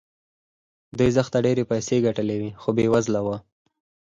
دوی زښته ډېرې پيسې ګټلې وې خو بې وزله وو.